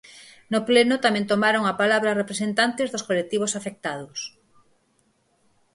No pleno tamén tomaron a palabra representantes dos colectivos afectados.